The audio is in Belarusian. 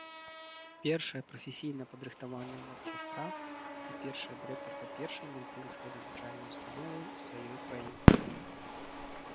Першая прафесійна падрыхтаваная медсястра і першая дырэктарка першай медыцынскай навучальнай ўстановы ў сваёй краіне.